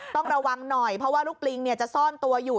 ต้องระวังหน่อยเพราะว่าลูกปลิงจะซ่อนตัวอยู่